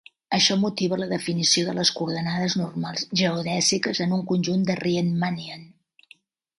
Això motiva la definició de les coordenades normals geodèsiques en un conjunt de Riemannian.